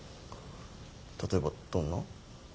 例えばどんな？